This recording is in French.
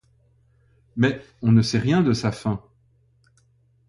Mais on ne sait rien de sa fin.